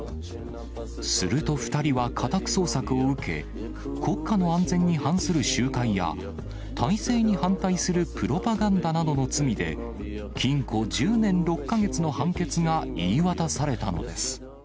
すると２人は家宅捜索を受け、国家の安全に反する集会や、体制に反対するプロパガンダなどの罪で、禁錮１０年６か月の判決が言い渡されたのです。